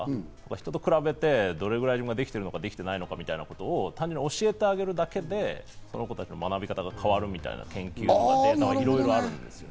人と比べてどれくらいできているのか、できていないのかみたいなことを教えてあげるだけでその子たちの学び方が変わるみたいな研究もいろいろあるんです。